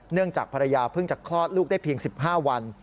จากภรรยาเพิ่งจะคลอดลูกได้เพียง๑๕วัน